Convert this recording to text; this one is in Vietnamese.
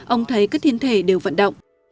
ông thấy các thiên thể đều vận động